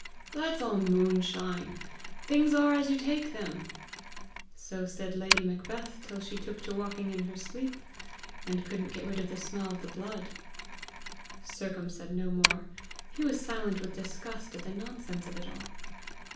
"That's all moonshine! Things are as you take them." "So said Lady Macbeth till she took to walking in her sleep, and couldn't get rid of the smell of the blood!" Sercombe said no more. He was silent with disgust at the nonsense of it all.